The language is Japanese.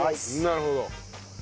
なるほど。